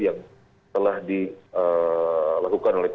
yang telah dilakukan oleh